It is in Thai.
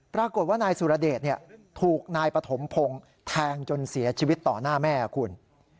ปรากฏว่านายสุรเดชถูกนายปฐมพงศ์แทงจนเสียชีวิตต่อหน้าแม่คุณ